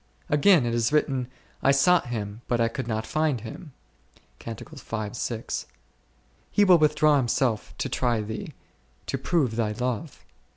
Again is it written, i" sought Him but I could not find Him Q : He will withdraw Himself to try thee, to prove thy love.